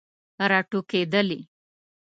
راټوکیدلې